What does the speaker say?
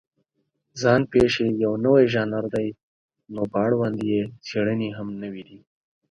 ځان پېښې یو نوی ژانر دی، نو په اړوند یې څېړنې هم نوې دي.